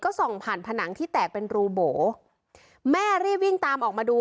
ส่องผ่านผนังที่แตกเป็นรูโบแม่รีบวิ่งตามออกมาดู